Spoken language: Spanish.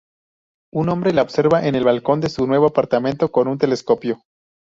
Un hombre la observa en el balcón de su nuevo apartamento con un telescopio.